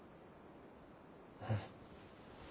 うん。